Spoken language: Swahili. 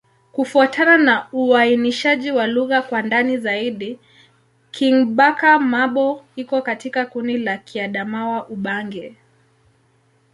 Kufuatana na uainishaji wa lugha kwa ndani zaidi, Kingbaka-Ma'bo iko katika kundi la Kiadamawa-Ubangi.